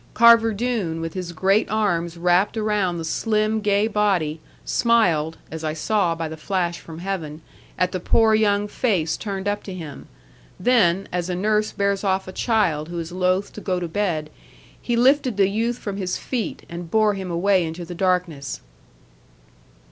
Carver Doone, with his great arms wrapped around the slim gay body, smiled (as I saw by the flash from heaven) at the poor young face turned up to him; then (as a nurse bears off a child, who is loath to go to bed), he lifted the youth from his feet, and bore him away into the darkness.